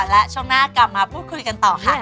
และช่วงหน้ากลับมาพูดคุยกันต่อค่ะ